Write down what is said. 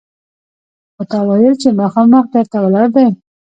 خو تا ویل چې مخامخ در ته ولاړ دی!